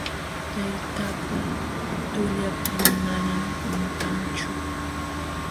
Tayta pa tullapan manam quntanchu.